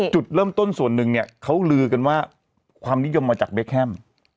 จุดเริ่มต้นส่วนหนึ่งเนี่ยเขาลือกันว่าความนิยมมาจากเบคแฮม